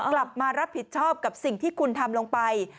กลับมารับผิดชอบกับสิ่งที่คุณทำลงไป